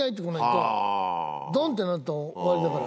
ドン！ってなったら終わりだから。